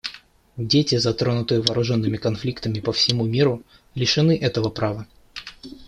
Дети, затронутые вооруженными конфликтами по всему миру, лишены этого права.